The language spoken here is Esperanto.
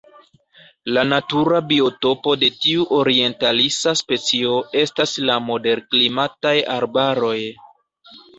La natura biotopo de tiu orientalisa specio estas la moderklimataj arbaroj.